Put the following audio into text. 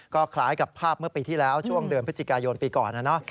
ก็คล้ายกับภาพเมื่อปีที่แล้วช่วงเดือนพฤศจิกายนปีก่อนนะ